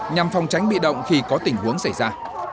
nhằm phòng tránh bị động khi có tình huống xảy ra